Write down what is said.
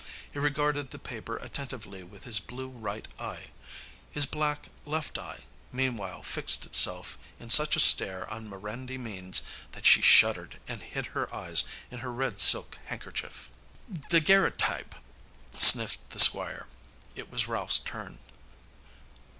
He regarded the paper attentively with his blue right eye. His black left eye meanwhile fixed itself in such a stare on Mirandy Means that she shuddered and hid her eyes in her red silk handkerchief. "Daguerreotype," sniffed the Squire. It was Ralph's turn.